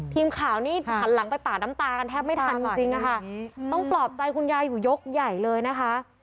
ทีมข่าวนี่หันหลังไปป่าน้ำตากันแทบไม่ทันจริงจริงอะค่ะต้องปลอบใจคุณยายอยู่ยกใหญ่เลยนะคะ